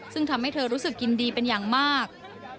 ซึ่งทำให้เธอรู้สึกยินดีเป็นอย่างมาก